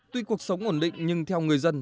tuy cuộc sống ổn định nhưng theo người dân